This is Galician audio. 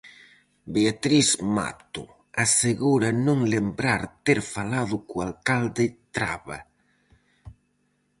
Beatriz Mato, asegura non lembrar ter falado co alcalde Traba.